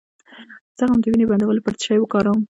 د زخم د وینې بندولو لپاره څه شی وکاروم؟